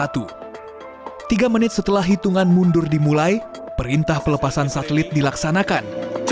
tiga menit setelah hitungan mundur dimulai perintah pelepasan satelit dilaksanakan